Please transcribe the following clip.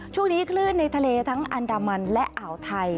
ช่วงนี้คลื่นในทะเลทั้งอันดามันและอ่าวไทย